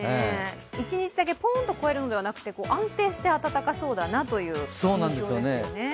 一日だけポーンと超えるのではなくて安定して暖かそうだなという状況ですよね。